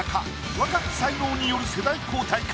若き才能による世代交代か？